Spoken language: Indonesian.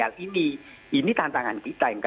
memenangkan hati anak anak milenial ini